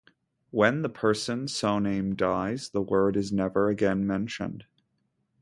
When the person so named dies, the word is never again mentioned.